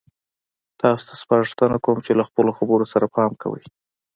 تاسو ته سپارښتنه کوم چې له خپلو خبرو سره پام کوئ.